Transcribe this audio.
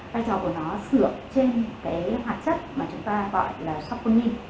vai trò của nó sửa trên cái hoạt chất mà chúng ta gọi là sophony